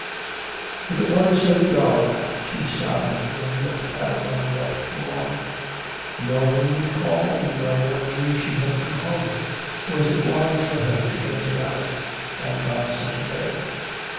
'If it weren't so dull.' She sighed and looked out on the wet lawn. No one would call, no one knew she had come home. Was it wise for her to venture out, and on such a day?